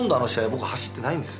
僕走ってないんです。